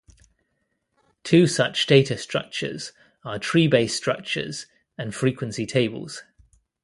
Two such data structures are tree-based structures and frequency tables.